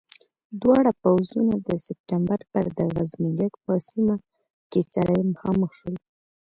دواړه پوځونه د سپټمبر پر د غزنيګک په سیمه کې سره مخامخ شول.